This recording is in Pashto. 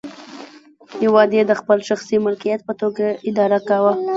هېواد یې د خپل شخصي ملکیت په توګه اداره کاوه.